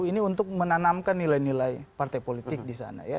ini untuk menanamkan nilai nilai partai politik di sana ya